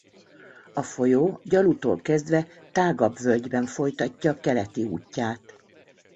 A folyó Gyalutól kezdve tágabb völgyben folytatja keleti útját.